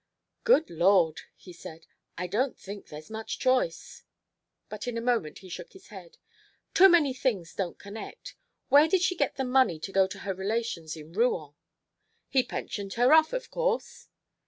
"Good Lord!" he said. "I don't think there's much choice." But in a moment he shook his head. "Too many things don't connect. Where did she get the money to go to her relations in Rouen " "He pensioned her off, of course."